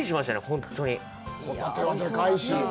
ホタテはでかいし。